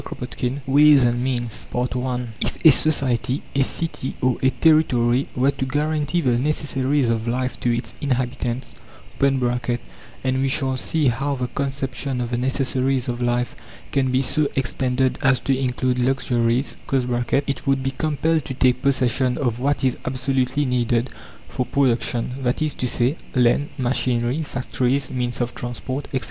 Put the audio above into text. CHAPTER VIII WAYS AND MEANS I If a society, a city or a territory were to guarantee the necessaries of life to its inhabitants (and we shall see how the conception of the necessaries of life can be so extended as to include luxuries), it would be compelled to take possession of what is absolutely needed for production; that is to say land, machinery, factories, means of transport, etc.